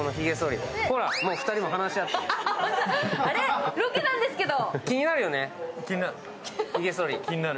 あれっ、ロケなんですけど！